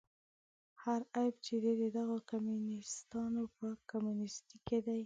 هر عیب چې دی د دغو کمونیستانو په کمونیستي کې دی.